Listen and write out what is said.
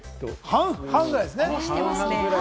半々ぐらいですね。